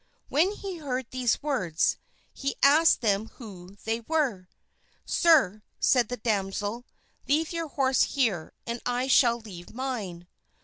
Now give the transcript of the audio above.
When he heard these words, he asked them who they were. "Sir," said the damsel, "Leave your horse here and I shall leave mine."